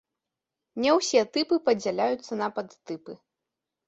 Не ўсе тыпы падзяляюцца на падтыпы.